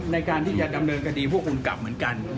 ในการที่จะดำเนินคดีพวกคุณกลับเหมือนกัน